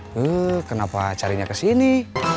hmm kenapa carinya ke sini